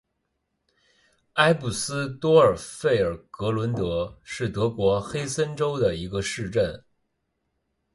埃布斯多尔费尔格伦德是德国黑森州的一个市镇。